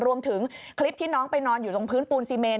รวมถึงคลิปที่น้องไปนอนอยู่ตรงพื้นปูนซีเมน